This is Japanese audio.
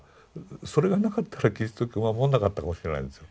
それがなかったらキリスト教守んなかったかもしれないんですよ。